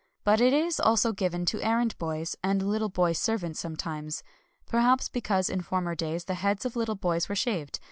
But it is also given to errand boys and little boy servants sometimes, — perhaps because in former days the heads of little boys were shaved.